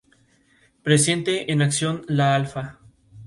Presente en Acción la Alfa.